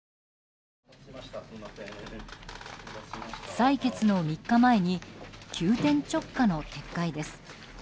採決の３日前に急転直下の撤回です。